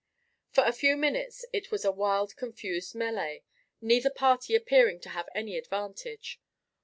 For a few minutes it was a wild confused melee, neither party appearing to have any advantage.